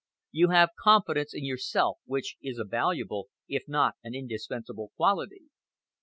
You have confidence in yourself, which is a valuable, if not an indispensable quality.